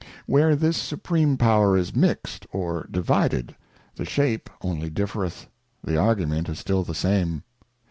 Where this Supreme Power is mixed, or divided, the shape only differeth, the Argument is still the same.